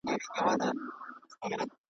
باریکي لري تمام دېوان زما .